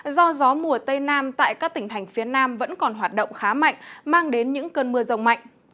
do gió mùa tây nam tại các tỉnh thành phía nam vẫn còn hoạt động khá mạnh mang đến những cơn mưa rông mạnh